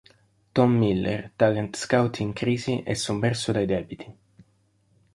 Tom Miller, talent scout in crisi, è sommerso dai debiti.